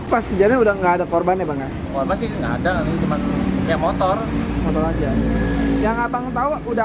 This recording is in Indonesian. pas kejadian udah enggak ada korbannya banget masih ada tempatnya motor yang abang tahu udah